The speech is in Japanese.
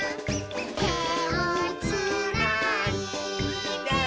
「てをつないで」